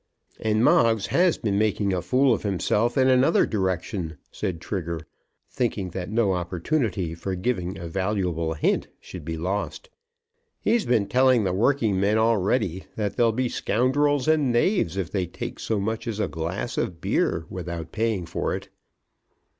"And Moggs has been making a fool of himself in another direction," said Trigger, thinking that no opportunity for giving a valuable hint should be lost. "He's been telling the working men already that they'll be scoundrels and knaves if they take so much as a glass of beer without paying for it."